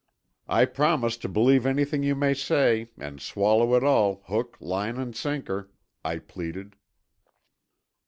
"I promise to believe anything you may say and swallow it all, hook, line and sinker," I pleaded.